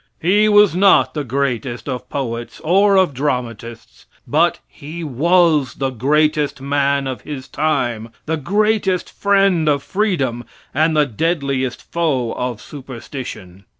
He was not the greatest of poets, or of dramatists, but he was the greatest man of his time, the greatest friend of freedom, and the deadliest foe of superstition.